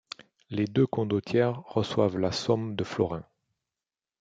Les deux condottières reçoivent la somme de florins.